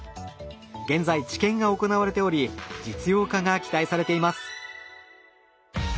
現在治験が行われており実用化が期待されています。